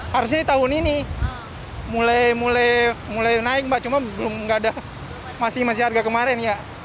harusnya tahun ini mulai naik cuma masih harga kemarin